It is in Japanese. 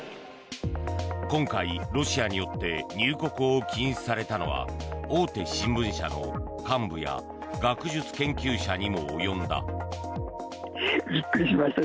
今回、ロシアによって入国を禁止されたのは大手新聞社の幹部や学術研究者にも及んだ。